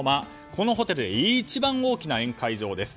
このホテルで一番大きな宴会場です。